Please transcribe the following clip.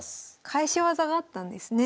返し技があったんですね。